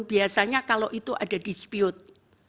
biasanya kalau itu ada dispute